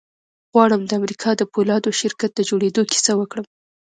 غواړم د امريکا د پولادو شرکت د جوړېدو کيسه وکړم.